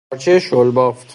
پارچه شلبافت